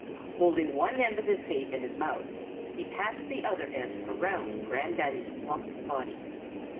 Holding one end of his tape in his mouth, he passed the other end around Grandaddy's plump body.